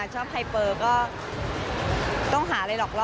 ชอบไฮเปอร์ก็ต้องหาอะไรหรอกล่อ